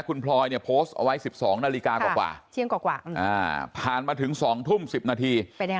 คุณพลอยเนี่ยโพสต์เอาไว้๑๒นาฬิกากว่าเที่ยงกว่าผ่านมาถึง๒ทุ่ม๑๐นาที